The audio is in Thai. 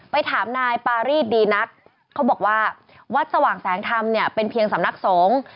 ไปถามนายปารีสดีนักเขาบอกว่าวัดสว่างแสงธรรมเนี่ยเป็นเพียงสำนักสงฆ์